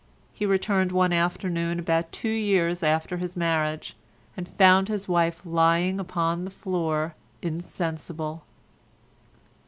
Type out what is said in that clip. He returned one afternoon about two years after his marriage, and found his wife lying upon the floor insensible.